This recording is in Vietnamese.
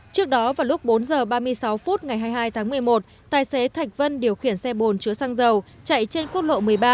trước đó vào lúc bốn h ba mươi sáu phút ngày hai mươi hai tháng một mươi một tài xế thạch vân điều khiển xe bồn chứa xăng dầu chạy trên quốc lộ một mươi ba